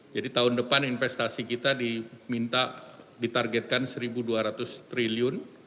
jadi tahun depan investasi kita diminta ditargetkan rp satu dua ratus triliun